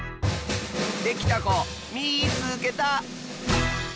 できたこみいつけた！